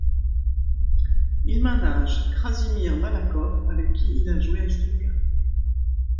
Il manage Krasimir Balakov, avec qui il a joué à Stuttgart.